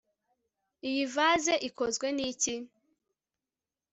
Iyi vase ikozwe niki